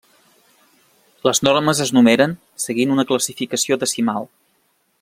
Les normes es numeren seguint una classificació decimal.